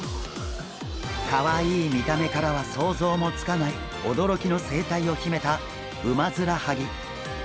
かわいい見た目からは想像もつかない驚きの生態を秘めたウマヅラハギ。